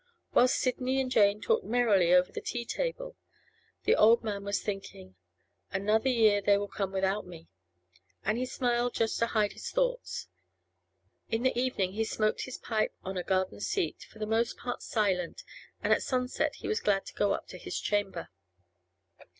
Whilst Sidney and Jane talked merrily over the tea table the old man was thinking. 'Another year they will come without me,' and he smiled just to hide his thoughts. In the evening he smoked his pipe on a garden seat, for the most part silent, and at sunset he was glad to go up to his chamber.